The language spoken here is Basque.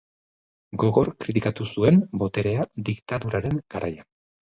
Gogor kritikatu zuen boterea diktaduraren garaian.